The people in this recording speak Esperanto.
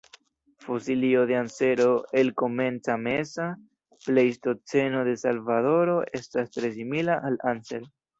Fosilio de ansero el Komenca-Meza Pleistoceno de Salvadoro estas tre simila al "Anser".